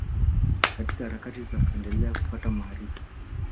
Katika harakati za kuendelea kupata maarifa